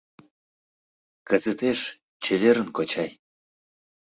Кызытеш, чеверын, кочай!